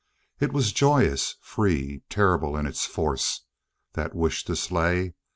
It was joyous, free, terrible in its force that wish to slay.